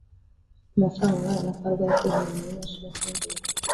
amafaranga angana na Frw yakoreshejwe muri National Congress